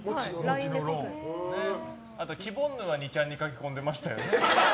あと、キボンヌは２ちゃんに書き込んでましたよね。